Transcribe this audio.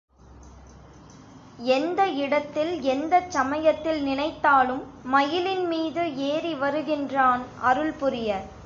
எந்த இடத்தில் எந்தச் சமயத்தில் நினைத்தாலும் மயிலின் மீது ஏறி வருகின்றான் அருள்புரிய.